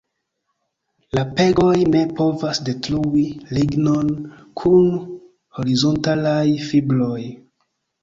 La pegoj ne povas detrui lignon kun horizontalaj fibroj.